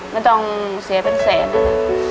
ไม่ต้องเสียเป็นแสนนะ